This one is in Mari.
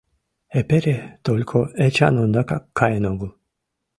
Эпере только Эчан ондакак каен огыл.